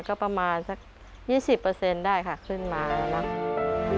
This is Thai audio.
ก็ประมาณสัก๒๐เปอร์เซ็นต์ได้ค่ะขึ้นมาแล้วนะ